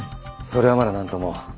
それはまだなんとも。